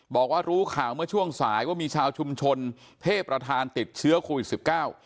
บอกว่ารู้ข่าวเมื่อช่วงสายว่ามีชาวชุมชนเทพประธานติดเชื้อโควิดสิบเก้า